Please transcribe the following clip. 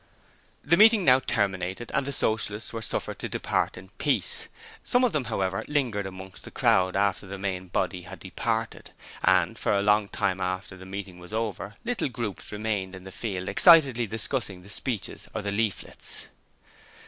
The meeting now terminated and the Socialists were suffered to depart in peace. Some of them, however, lingered amongst the crowd after the main body had departed, and for a long time after the meeting was over little groups remained on the field excitedly discussing the speeches or the leaflets.